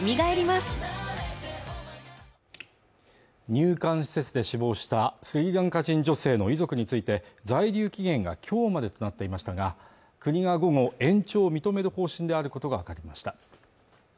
入管施設で死亡したスリランカ人女性の遺族について在留期限が今日までとなっていましたが国が午後延長を認める方針であることが分かりました